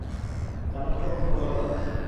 চাণক্যকে খবর দাও।